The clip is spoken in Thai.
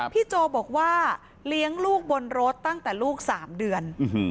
พี่โจบอกว่าเพียงเลี้ยงรูปบนรถตั้งแต่ลูก๓เดือน